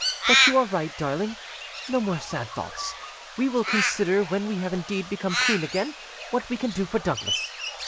"But you are right, darling: no more sad thoughts; we will consider when we have indeed become queen again what we can do for Douglas."